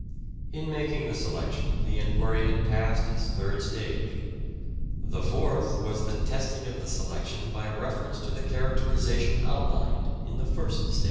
In making the selection the enquiry had passed its third stage. The fourth was the testing of the selection by reference to the characterization outlined in the first stage.